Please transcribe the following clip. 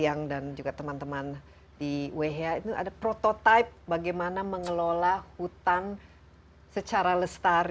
jadi jangan kemana mana dulu tetap bersama inside with desy anwar